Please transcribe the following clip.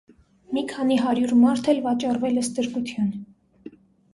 Մի քանի հարյուր մարդ էլ վաճառվել է ստրկության։